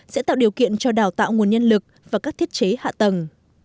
sẽ tạo điều kiện cho đào tạo nguồn nhân lực và các thiết chế hạ tầng